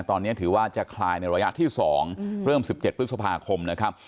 ตอนนี้ถือว่าจะคลายในระยะที่๒เริ่ม๑๗พฤษภาคมนะครับ